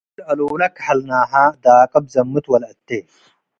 እግል አሉለ ከሀልናሀ - ዳቅብ ዘምት ወለአቴ